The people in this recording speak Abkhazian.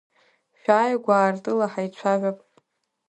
Шәааи гәаартыла ҳаицәажәап.